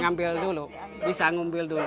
ngambil dulu bisa ngambil dulu